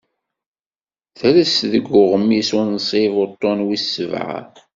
Tres deg uɣmis unsib uṭṭun wis ssebɛa.